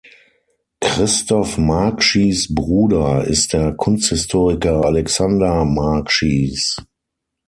Christoph Markschies’ Bruder ist der Kunsthistoriker Alexander Markschies.